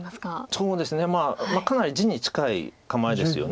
そうですねまあかなり地に近い構えですよね。